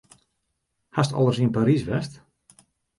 Hast al ris yn Parys west?